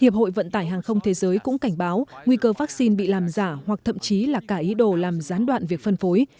hiệp hội vận tải hàng không thế giới cũng cảnh báo nguy cơ vaccine bị làm giả hoặc thậm chí là cả ý đồ làm gián đoạn việc phân phối